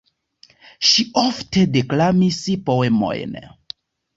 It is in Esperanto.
Ŝi ofte deklamis poemojn.